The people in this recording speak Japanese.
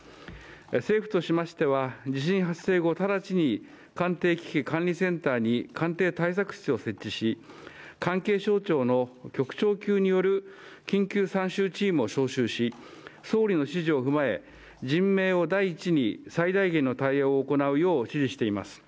政府としてましては地震発生後直ちに官邸危機管理センターに官邸対策室を設置し、関係省庁の局長による緊急参集チームを作り総理の指示を踏まえ、人命を第一に最大限の対応を行うよう指示しています。